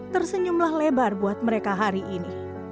tersenyumlah lebar buat mereka hari ini